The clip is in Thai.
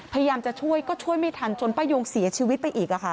พยายามจะช่วยก็ช่วยไม่ทันจนป้ายงเสียชีวิตไปอีก